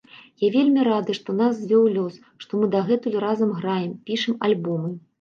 Я вельмі рады, што нас звёў лёс, што мы дагэтуль разам граем, пішам альбомы.